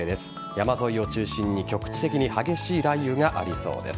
山沿いを中心に局地的に激しい雷雨がありそうです。